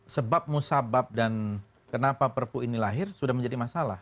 sebab musabab dan kenapa perpu ini lahir sudah menjadi masalah